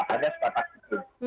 hanya sekat sekat itu